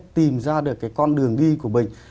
tìm ra được cái con đường đi của mình